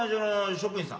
職員さん？